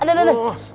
aduh aduh aduh